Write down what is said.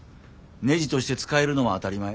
ねじとして使えるのは当たり前。